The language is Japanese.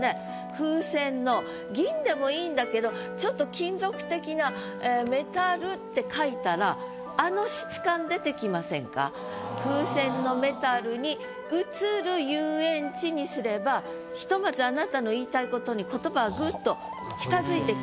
銀でもいいんだけどちょっと金属的な「メタル」って書いたら「風船のメタルに映る遊園地」にすればひとまずあなたの言いたいことに言葉はぐっと近づいてきます。